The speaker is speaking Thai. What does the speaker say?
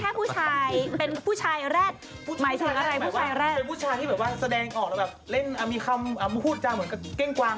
แมนจีนก็แมนอะไรอะ